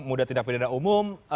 muda tidak perniagaan umum